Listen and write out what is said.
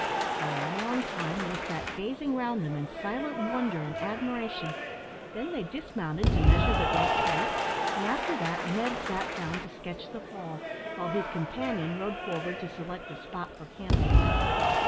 For a long time they sat gazing round them in silent wonder and admiration, then they dismounted to measure the great tree, and after that Ned sat down to sketch the fall, while his companion rode forward to select a spot for camping on.